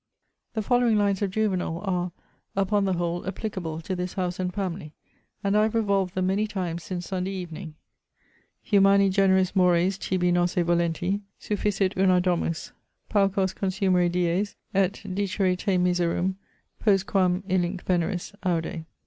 The following lines of Juvenal are, upon the whole applicable to this house and family; and I have revolved them many times since Sunday evening: Humani generis mores tibi nôsse volenti Sufficit una domus: paucos consumere dies, & Dicere te miserum, postquam illinc veneris, aude.